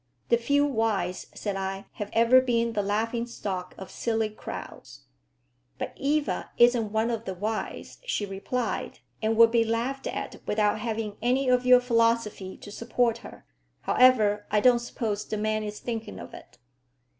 "The few wise," said I, "have ever been the laughing stock of silly crowds." "But Eva isn't one of the wise," she replied, "and would be laughed at without having any of your philosophy to support her. However, I don't suppose the man is thinking of it."